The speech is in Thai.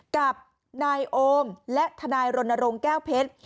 กับนายโอมและทนายรณรงค์แก้วเพชร